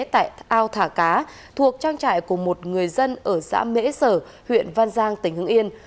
tại ao thả cá thuộc trang trại của một người dân ở xã mễ sở huyện văn giang tỉnh hưng yên